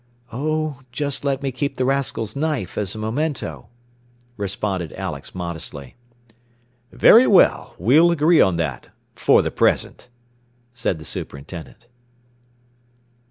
"Oh, just let me keep the rascal's knife, as a memento," responded Alex modestly. "Very well; we'll agree on that for the present," said the superintendent.